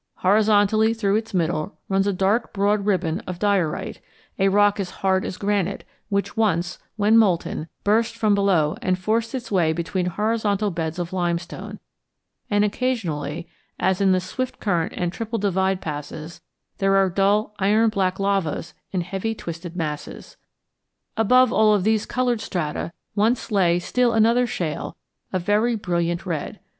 Horizontally through its middle runs a dark broad ribbon of diorite, a rock as hard as granite, which once, while molten, burst from below and forced its way between horizontal beds of limestone; and occasionally, as in the Swiftcurrent and Triple Divide Passes, there are dull iron black lavas in heavy twisted masses. Above all of these colored strata once lay still another shale of very brilliant red.